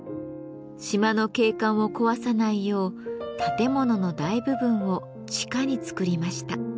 島の景観を壊さないよう建物の大部分を地下に造りました。